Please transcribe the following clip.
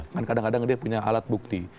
kan kadang kadang dia punya alat bukti